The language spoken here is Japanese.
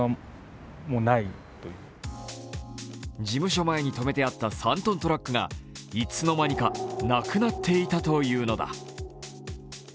事務所前に止めてあった３トントラックがいつの間にか、なくなっていたというのだ。